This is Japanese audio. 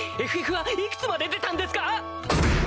『ＦＦ』はいくつまで出たんですか？